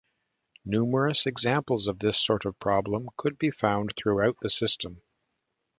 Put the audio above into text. Numerous examples of this sort of problem could be found throughout the system.